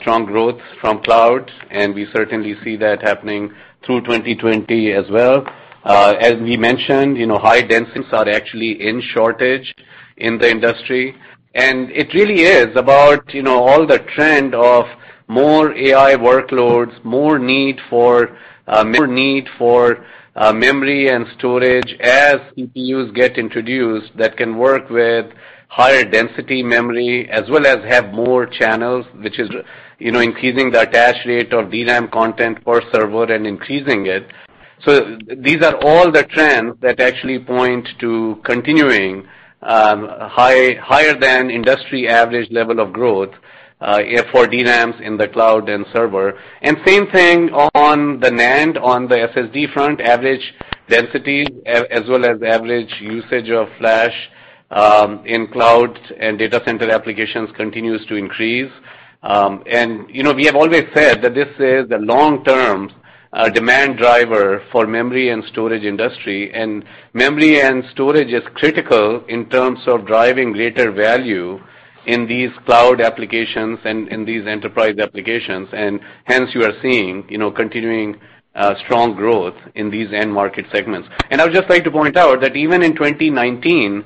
strong growth from cloud, and we certainly see that happening through 2020 as well. As we mentioned, high densities are actually in shortage in the industry. It really is about all the trend of more AI workloads, more need for memory and storage as CPUs get introduced that can work with higher density memory as well as have more channels, which is increasing the attach rate of DRAM content per server and increasing it. These are all the trends that actually point to continuing higher than industry average level of growth for DRAMs in the cloud and server. Same thing on the NAND, on the SSD front, average density, as well as average usage of flash in cloud and data center applications continues to increase. We have always said that this is a long-term demand driver for memory and storage industry, and memory and storage is critical in terms of driving greater value in these cloud applications and in these enterprise applications. Hence, you are seeing continuing strong growth in these end market segments. I would just like to point out that even in 2019,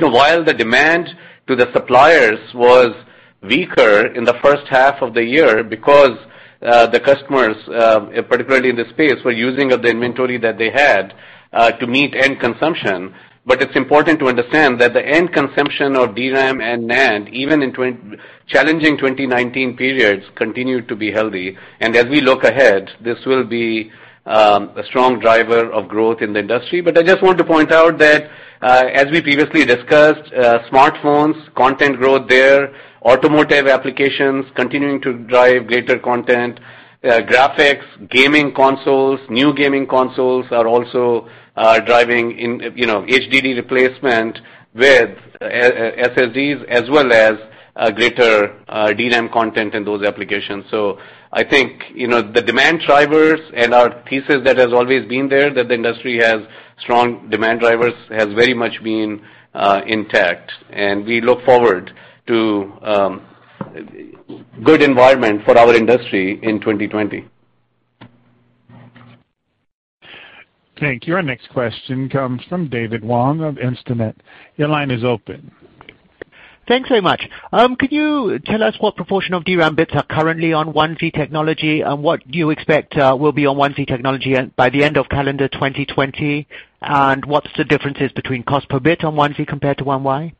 while the demand to the suppliers was weaker in the first half of the year because the customers, particularly in this space, were using up the inventory that they had to meet end consumption. It's important to understand that the end consumption of DRAM and NAND, even in challenging 2019 periods, continued to be healthy. As we look ahead, this will be a strong driver of growth in the industry. I just want to point out that, as we previously discussed, smartphones, content growth there, automotive applications continuing to drive greater content, graphics, gaming consoles, new gaming consoles are also driving HDD replacement with SSDs as well as greater DRAM content in those applications. I think, the demand drivers and our thesis that has always been there, that the industry has strong demand drivers, has very much been intact, and we look forward to good environment for our industry in 2020. Thank you. Our next question comes from David Wong of Instinet. Your line is open. Thanks very much. Could you tell us what proportion of DRAM bits are currently on 1z technology and what you expect will be on 1z technology by the end of calendar 2020? What's the differences between cost per bit on 1z compared to 1y?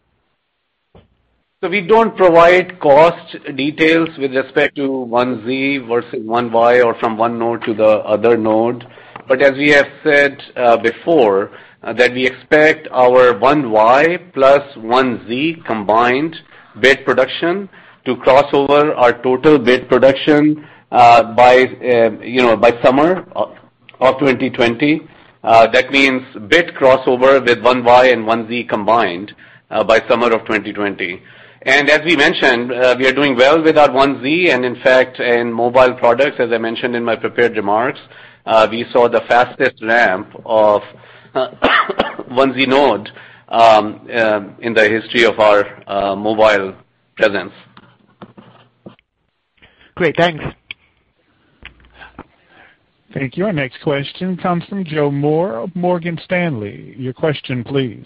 We don't provide cost details with respect to 1z versus 1y or from one node to the other node. As we have said before, that we expect our 1y plus 1z combined bit production to cross over our total bit production by summer of 2020. That means bit crossover with 1y and 1z combined by summer of 2020. As we mentioned, we are doing well with our 1z, and in fact, in mobile products, as I mentioned in my prepared remarks, we saw the fastest ramp of 1z node in the history of our mobile presence. Great. Thanks. Thank you. Our next question comes from Joe Moore of Morgan Stanley. Your question, please.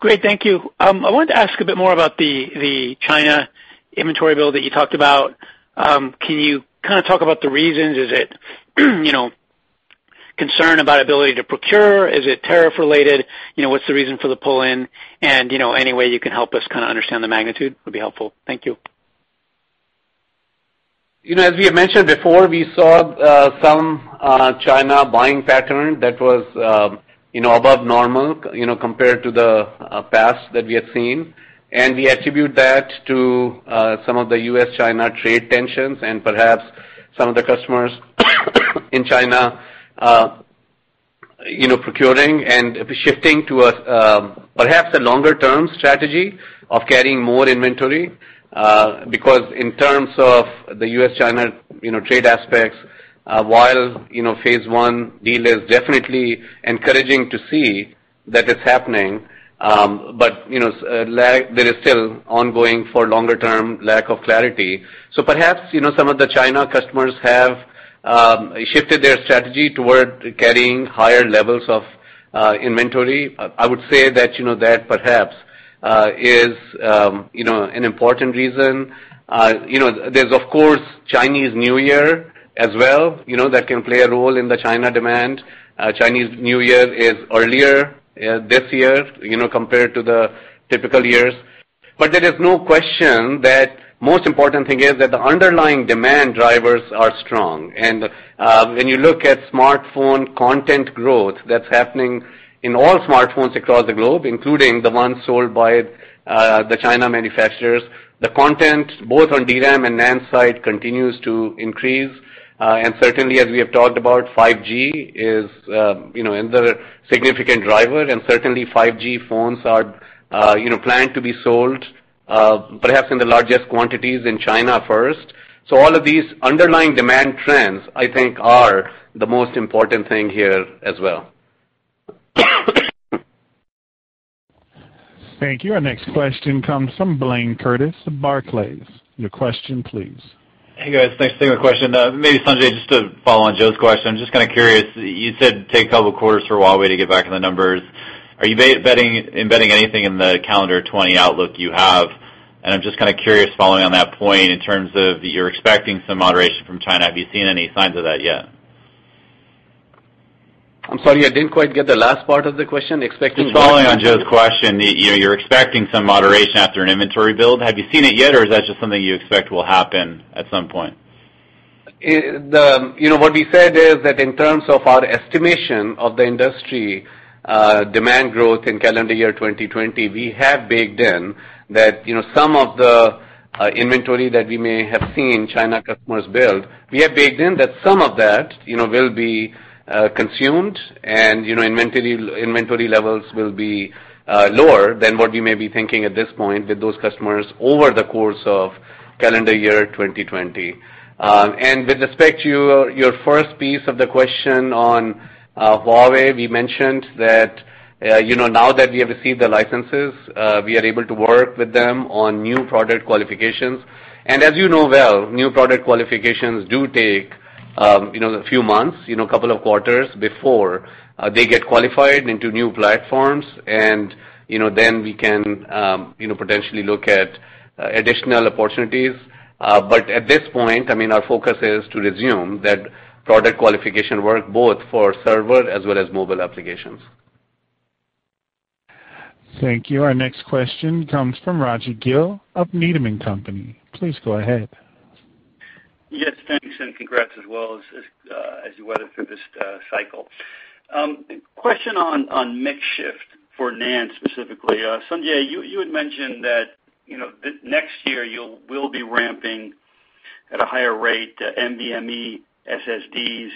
Great. Thank you. I wanted to ask a bit more about the China inventory build that you talked about. Can you talk about the reasons? Is it concern about ability to procure? Is it tariff related? What's the reason for the pull-in? Any way you can help us kind of understand the magnitude would be helpful. Thank you. As we have mentioned before, we saw some China buying pattern that was above normal compared to the past that we have seen. We attribute that to some of the U.S.-China trade tensions and perhaps some of the customers in China procuring and shifting to perhaps a longer-term strategy of carrying more inventory, because in terms of the U.S.-China trade aspects, while phase I deal is definitely encouraging to see that it's happening, but there is still ongoing, for longer term, lack of clarity. Perhaps, some of the China customers have shifted their strategy toward carrying higher levels of inventory. I would say that perhaps is an important reason. There's, of course, Chinese New Year as well, that can play a role in the China demand. Chinese New Year is earlier this year compared to the typical years. There is no question that most important thing is that the underlying demand drivers are strong. When you look at smartphone content growth that's happening in all smartphones across the globe, including the ones sold by the China manufacturers, the content, both on DRAM and NAND side, continues to increase. Certainly, as we have talked about, 5G is another significant driver, and certainly 5G phones are planned to be sold, perhaps in the largest quantities in China first. All of these underlying demand trends, I think, are the most important thing here as well. Thank you. Our next question comes from Blayne Curtis of Barclays. Your question, please. Hey, guys. Thanks. Same question. Maybe, Sanjay, just to follow on Joe's question, I'm just kind of curious. You said take a couple of quarters for Huawei to get back in the numbers. Are you embedding anything in the calendar 2020 outlook you have? I'm just kind of curious, following on that point, in terms of you're expecting some moderation from China, have you seen any signs of that yet? I'm sorry, I didn't quite get the last part of the question. Expecting what? Just following on Joe's question, you're expecting some moderation after an inventory build. Have you seen it yet, or is that just something you expect will happen at some point? What we said is that in terms of our estimation of the industry demand growth in calendar year 2020, we have baked in that some of the inventory that we may have seen China customers build, we have baked in that some of that will be consumed, and inventory levels will be lower than what you may be thinking at this point with those customers over the course of calendar year 2020. With respect to your first piece of the question on Huawei, we mentioned that now that we have received the licenses, we are able to work with them on new product qualifications. As you know well, new product qualifications do take a few months, a couple of quarters, before they get qualified into new platforms, and then we can potentially look at additional opportunities. At this point, our focus is to resume that product qualification work both for server as well as mobile applications. Thank you. Our next question comes from Raji Gill of Needham & Company. Please go ahead. Yes, thanks. Congrats as well as you weather through this cycle. Question on mix shift for NAND specifically. Sanjay, you had mentioned that next year you will be ramping at a higher rate NVMe SSDs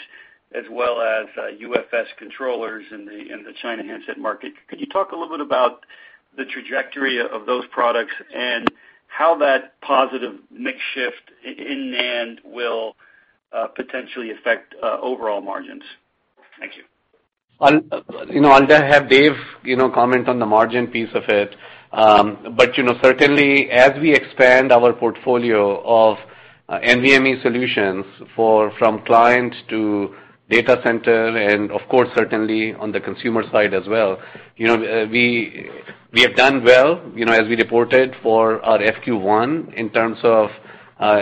as well as UFS controllers in the China handset market. Could you talk a little bit about the trajectory of those products and how that positive mix shift in NAND will potentially affect overall margins? Thank you. I'll have Dave comment on the margin piece of it. Certainly, as we expand our portfolio of NVMe solutions from client to data center, and of course, certainly on the consumer side as well, we have done well as we reported for our FQ1 in terms of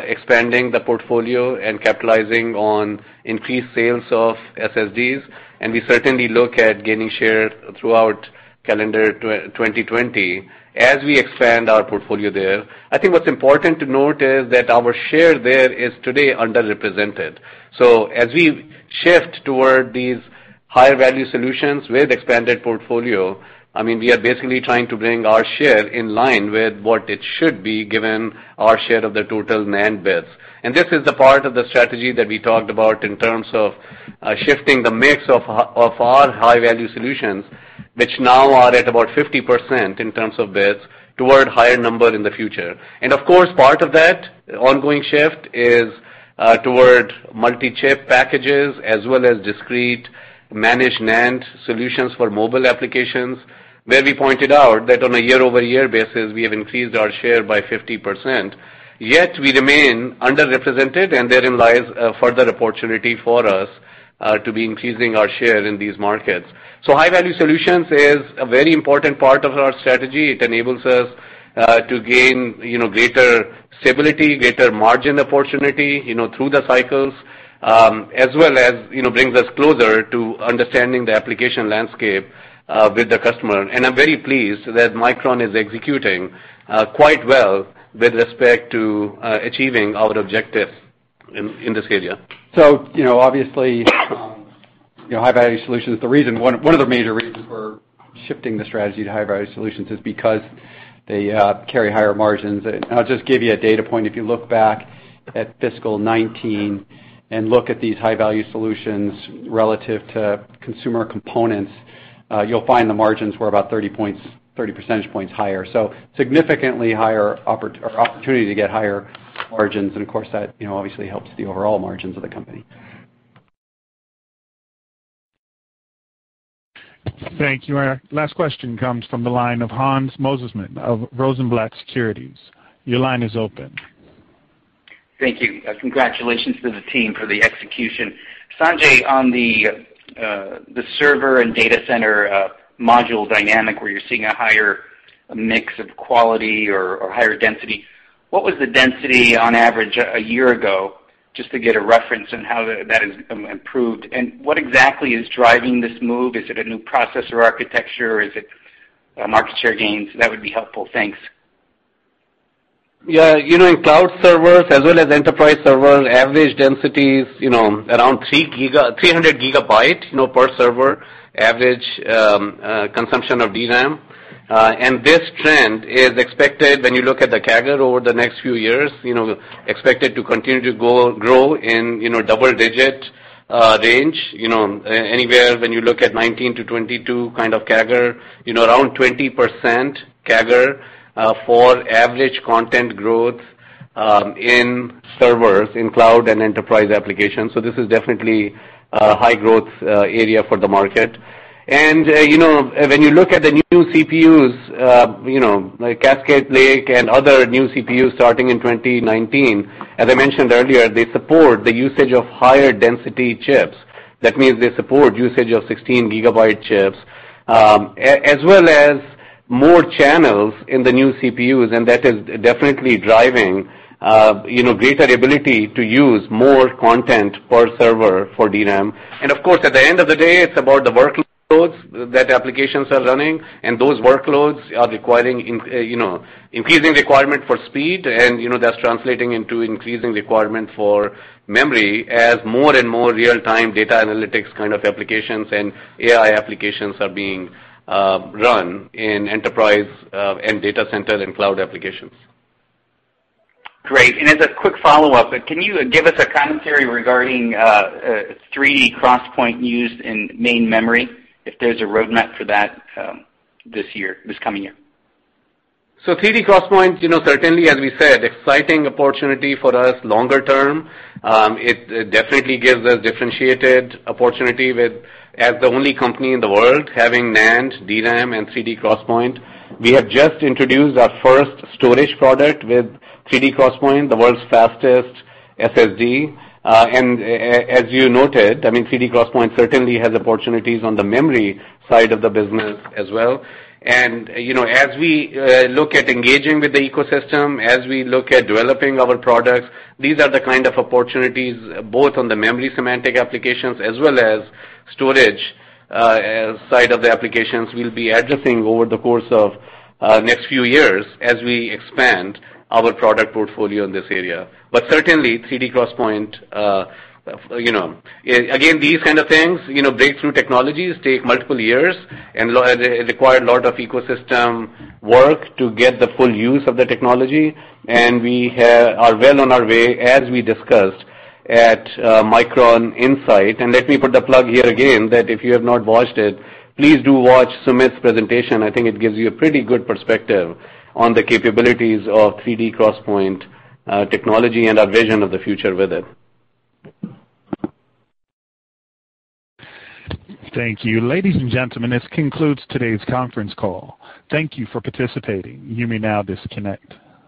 expanding the portfolio and capitalizing on increased sales of SSDs, and we certainly look at gaining share throughout calendar 2020 as we expand our portfolio there. I think what's important to note is that our share there is today underrepresented. As we shift toward these higher value solutions with expanded portfolio, we are basically trying to bring our share in line with what it should be given our share of the total NAND bits. This is the part of the strategy that we talked about in terms of shifting the mix of our high-value solutions, which now are at about 50% in terms of bits, toward higher number in the future. Of course, part of that ongoing shift is toward multi-chip packages as well as discrete managed NAND solutions for mobile applications, where we pointed out that on a year-over-year basis, we have increased our share by 50%. Yet we remain underrepresented, and therein lies a further opportunity for us to be increasing our share in these markets. High-value solutions is a very important part of our strategy. It enables us to gain greater stability, greater margin opportunity through the cycles, as well as brings us closer to understanding the application landscape with the customer. I'm very pleased that Micron is executing quite well with respect to achieving our objectives in this area. Obviously, high-value solutions, one of the major reasons we're shifting the strategy to high-value solutions is because they carry higher margins. I'll just give you a data point. If you look back at fiscal 2019 and look at these high-value solutions relative to consumer components, you'll find the margins were about 30 percentage points higher, so significantly higher opportunity to get higher margins, and of course, that obviously helps the overall margins of the company. Thank you. Our last question comes from the line of Hans Mosesmann of Rosenblatt Securities. Your line is open. Thank you. Congratulations to the team for the execution. Sanjay, on the server and data center module dynamic where you're seeing a higher mix of quality or higher density, what was the density on average a year ago, just to get a reference on how that has improved? What exactly is driving this move? Is it a new processor architecture, or is it market share gains? That would be helpful. Thanks. In cloud servers as well as enterprise servers, average density is around 300 GB per server, average consumption of DRAM. This trend is expected, when you look at the CAGR over the next few years, expected to continue to grow in double-digit range, anywhere when you look at 2019-2022 kind of CAGR, around 20% CAGR for average content growth in servers, in cloud and enterprise applications. This is definitely a high-growth area for the market. When you look at the new CPUs, like Cascade Lake and other new CPUs starting in 2019, as I mentioned earlier, they support the usage of higher density chips. That means they support usage of 16 GB chips, as well as more channels in the new CPUs, and that is definitely driving greater ability to use more content per server for DRAM. Of course, at the end of the day, it's about the workloads that applications are running, and those workloads are increasing requirement for speed, and that's translating into increasing requirement for memory as more and more real-time data analytics kind of applications and AI applications are being run in enterprise and data centers and cloud applications. Great. As a quick follow-up, can you give us a commentary regarding 3D XPoint used in main memory, if there's a roadmap for that this coming year? 3D XPoint, certainly as we said, exciting opportunity for us longer term. It definitely gives us differentiated opportunity as the only company in the world having NAND, DRAM, and 3D XPoint. We have just introduced our first storage product with 3D XPoint, the world's fastest SSD. As you noted, 3D XPoint certainly has opportunities on the memory side of the business as well. As we look at engaging with the ecosystem, as we look at developing our products, these are the kind of opportunities, both on the memory semantic applications as well as storage side of the applications, we'll be addressing over the course of next few years as we expand our product portfolio in this area. Certainly, 3D XPoint, again, these kind of things, breakthrough technologies take multiple years and require a lot of ecosystem work to get the full use of the technology. We are well on our way, as we discussed at Micron Insight. Let me put the plug here again that if you have not watched it, please do watch Sumit's presentation. I think it gives you a pretty good perspective on the capabilities of 3D XPoint technology and our vision of the future with it. Thank you. Ladies and gentlemen, this concludes today's conference call. Thank you for participating. You may now disconnect.